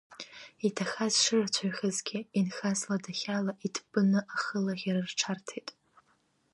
Иҭахаз шырацәаҩхазгьы инхаз ладахьала иҭыппны ахылаӷьара рҽарҭеит.